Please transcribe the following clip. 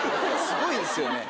すごいですよね。